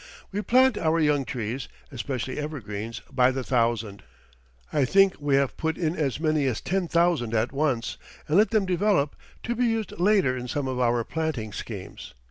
We plant our young trees, especially evergreens, by the thousand I think we have put in as many as ten thousand at once, and let them develop, to be used later in some of our planting schemes.